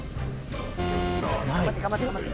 頑張って頑張って頑張って。